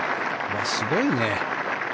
すごいね。